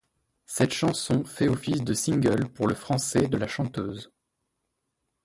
Cette chanson fait office de single pour le français de la chanteuse.